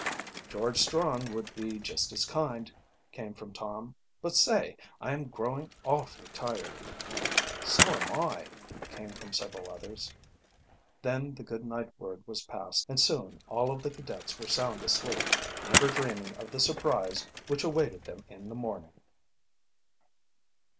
"George Strong would be just as kind," came from Tom. "But say, I am growing awfully tired." "So am I," came from several others, Then the good night word was passed, and soon all of the cadets were sound asleep, never dreaming of the surprise which awaited them in the morning.